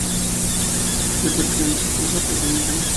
Depresión, tristeza, pesimismo.